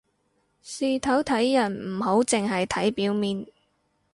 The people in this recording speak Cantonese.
事頭睇人唔好淨係睇表面